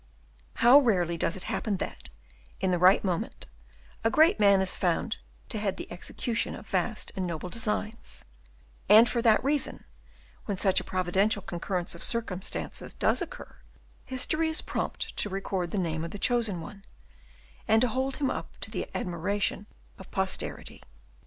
How rarely does it happen that, in the right moment, a great man is found to head the execution of vast and noble designs; and for that reason, when such a providential concurrence of circumstances does occur, history is prompt to record the name of the chosen one, and to hold him up to the admiration of posterity.